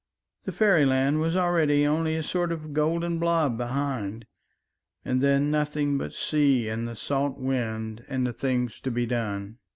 the fairyland was already only a sort of golden blot behind ... and then nothing but sea and the salt wind ... and the things to be done."